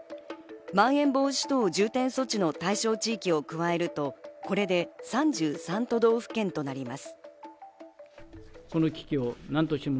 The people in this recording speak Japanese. まん延防止等重点措置の対象地域を加えるとこれで３３都道府県となります。